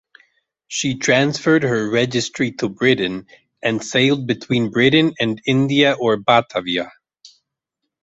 She transferred her registry to Britain and sailed between Britain and India or Batavia.